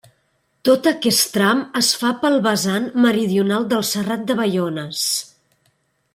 Tot aquest tram es fa pel vessant meridional del Serrat de Baiones.